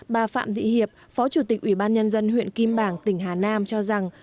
bà phạm thị hiệp phó chủ tịch ủy ban nhân dân huyện kim bảng tỉnh hà nam cho rằng